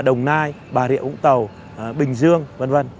đồng nai bà rịa vũng tàu bình dương v v